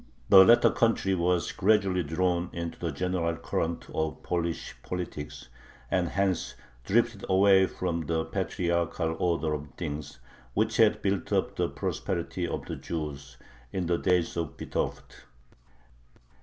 The latter country was gradually drawn into the general current of Polish politics, and hence drifted away from the patriarchal order of things, which had built up the prosperity of the Jews in the days of Vitovt.